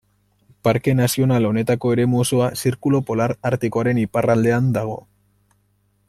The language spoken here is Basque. Parke Nazional honetako eremu osoa Zirkulu polar artikoaren iparraldean dago.